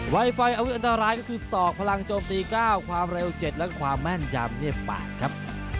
ไวไฟอวิทย์อันตรายก็คือซอกพลังโจมตีเก้าความเร็วเจ็ดและความแม่นยามเงียบบ้างครับ